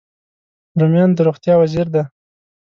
رومیان د روغتیا وزیر دی